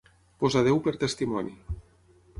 Posar Déu per testimoni.